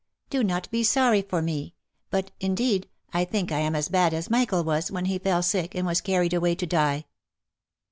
Do not be sorry for me — but, indeed, I think I am as bad as Michael was, when he fell sick, and was carried away to die."